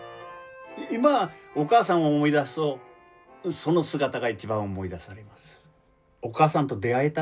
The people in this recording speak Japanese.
今お母さんを思い出すとその姿が一番思い出されます。